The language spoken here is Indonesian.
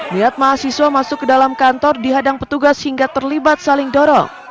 niat mahasiswa masuk ke dalam kantor dihadang petugas hingga terlibat saling dorong